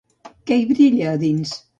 Què hi brilla, a dins?